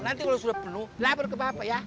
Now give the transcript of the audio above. nanti kalau sudah pelu lapar ke bapak ya